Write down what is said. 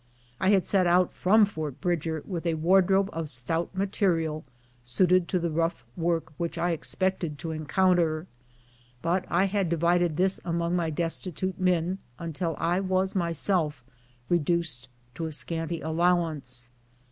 I had set out from Fort Bridger with a ward robe of stout material suited to the rough work which I ex pected to encounter, but I had divided this among my des titute men until I was myself reduced to a scanty allow ance.